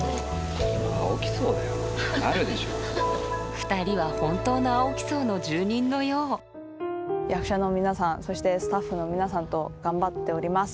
２人は本当の青木荘の住人のよう役者の皆さんそしてスタッフの皆さんと頑張っております。